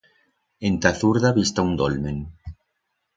Ent'a zurda bi'stá un dolmen.